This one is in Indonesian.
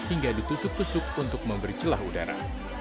hingga ditusuk tusuk untuk memberi celah udara